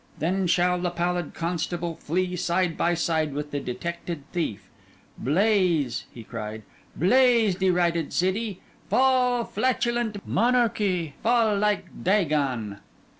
Then shall the pallid constable flee side by side with the detected thief. Blaze!' he cried, 'blaze, derided city! Fall, flatulent monarchy, fall like Dagon!